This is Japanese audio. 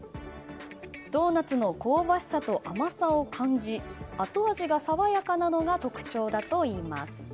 ドーナツの香ばしさと甘さを感じ後味が爽やかなのが特徴だといいます。